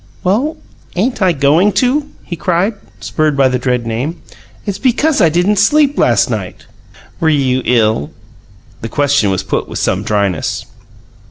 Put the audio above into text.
"Well, ain't I going to?" he cried, spurred by the dread name. "It's because I didn't sleep last night." "Were you ill?" The question was put with some dryness.